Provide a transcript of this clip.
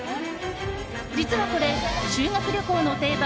実はこれ、修学旅行の定番